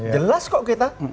jelas kok kita